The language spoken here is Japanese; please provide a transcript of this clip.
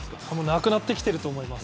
なくなってきてると思います。